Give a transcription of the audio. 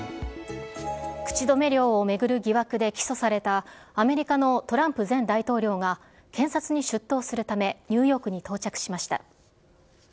口止め料を巡る疑惑で起訴されたアメリカのトランプ前大統領が検察に出頭するため、ニューヨークに到着しました。